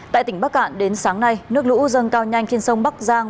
tại tỉnh bắc cạn đến sáng nay nước lũ dâng cao nhanh trên sông bắc giang